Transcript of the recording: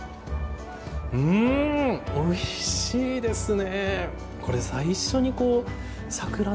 おいしいですね。